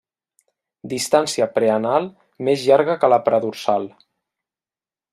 Distància preanal més llarga que la predorsal.